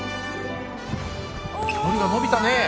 距離が伸びたね！